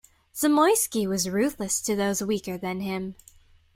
Zamoyski was ruthless to those weaker than him.